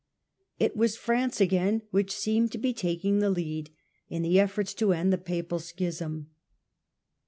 It was France again which seemed to be taking the lead in the efforts to end the Papal Schism.